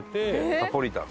ナポリタンね。